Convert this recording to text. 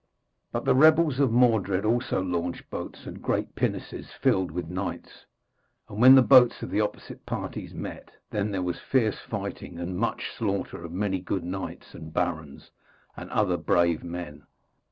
But the rebels of Mordred also launched boats and great pinnaces filled with knights, and when the boats of the opposite parties met, then there was fierce fighting and much slaughter of many good knights and barons and other brave men.